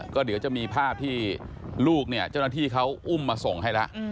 ก็เดี๋ยวจะมีภาพที่ลูกเนี่ยเจ้าหน้าที่เขาอุ้มมาส่งให้แล้ว